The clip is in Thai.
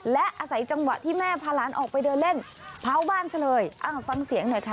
และอาศัยจังหวะที่แม่พาหลานออกไปเดินเล่นเผาบ้านซะเลยฟังเสียงหน่อยค่ะ